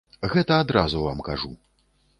Гэта адразу вам кажу.